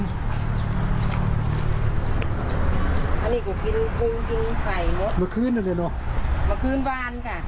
อันนี้ก็กินกินกินไฟเนอะมาคืนอะไรเนอะมาคืนบ้านค่ะ